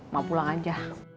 mau pulang aja